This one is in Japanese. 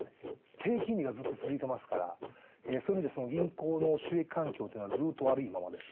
低金利がずっと続いてますから、そういう意味じゃ、銀行の収益環境っていうのはずっと悪いままです。